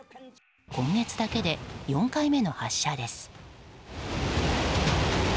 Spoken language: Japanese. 今月だけで４回目の発射です。